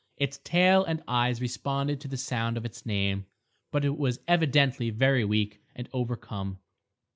Its tail and eyes responded to the sound of its name, but it was evidently very weak and overcome.